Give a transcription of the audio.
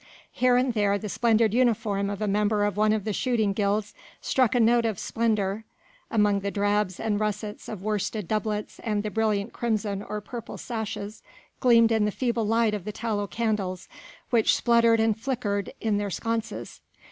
Here and there the splendid uniform of a member of one of the shooting guilds struck a note of splendour among the drabs and russets of worsted doublets and the brilliant crimson or purple sashes gleamed in the feeble light of the tallow candles which spluttered and flickered in their sconces.